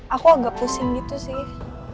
aku agak pusing gitu sih